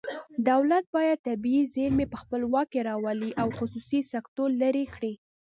دولت باید طبیعي زیرمې په خپل واک کې راولي او خصوصي سکتور لرې کړي